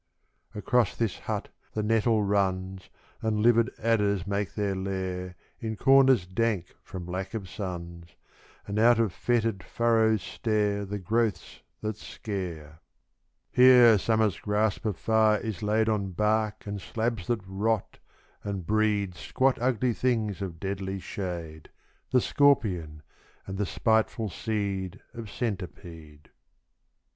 Across this hut the nettle runs, And livid adders make their lair In corners dank from lack of suns, And out of foetid furrows stare The growths that scare. Here Summer's grasp of fire is laid On bark and slabs that rot, and breed Squat ugly things of deadly shade, The scorpion, and the spiteful seed Of centipede.